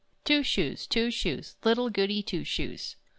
Two Shoes, Two Shoes, Little Goody Two Shoes!